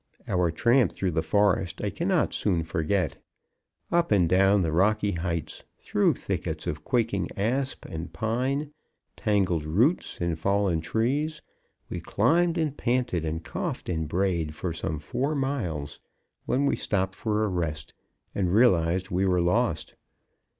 Our tramp through the forest I cannot soon forget. Up and down the rocky heights, through thickets of quaking asp and pine, tangled roots and fallen trees, we climbed and panted and coughed and brayed for some four miles, when we stopped to rest and realized we were lost.